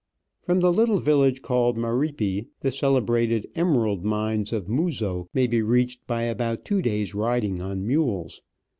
From the little village called Maripi, the cele brated emerald mines of Muzo may be reached by about two days' riding on mules.